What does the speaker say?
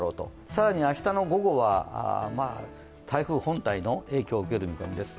更に明日の午後は台風本体の影響を受ける見込みです。